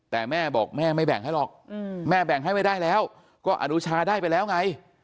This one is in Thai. แต่แม่บอกแม่ไม่แบ่งให้หรอกแม่แบ่งให้ไม่ได้แล้วก็อนุชาได้ไปแล้วไง